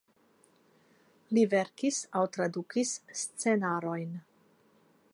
Li verkis aŭ tradukis scenarojn.